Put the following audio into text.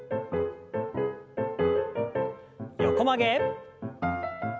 横曲げ。